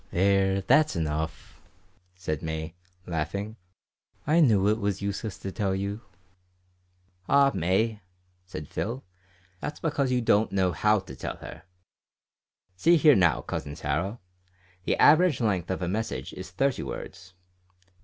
"There, that's enough," said May, laughing. "I knew it was useless to tell you." "Ah, May!" said Phil, "that's because you don't know how to tell her. See here now, cousin Sarah. The average length of a message is thirty words.